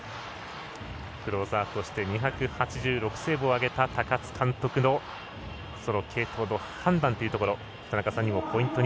クローザーとして２８６セーブをあげた高津監督の継投の判断というところ。